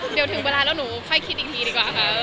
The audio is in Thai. เดี๋ยวถึงเวลาแล้วหนูค่อยคิดอีกทีดีกว่าค่ะ